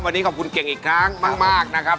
วันนี้ขอบคุณเก่งอีกครั้งมากนะครับ